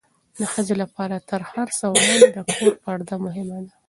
د ښځې لپاره تر هر څه وړاندې د کور پرده مهمه ده.